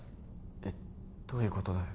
えっどういうことだよ？